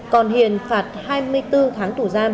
còn hiền phạt hai mươi bốn tháng tù giam